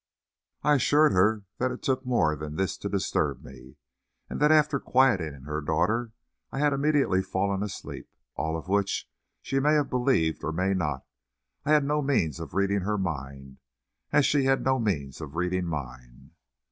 I assured her that it took more than this to disturb me, and that after quieting her daughter I had immediately fallen asleep; all of which she may have believed or may not; I had no means of reading her mind, as she had no means of reading mine.